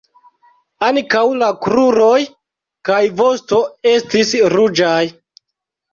Ankaŭ la kruroj kaj vosto estis ruĝaj.